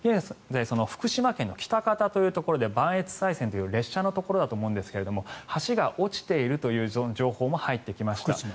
福島県の喜多方というところで磐越西線という列車のところだと思うんですが橋が落ちているという情報も入ってきました。